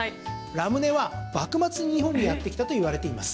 ラムネは幕末に日本にやってきたといわれています。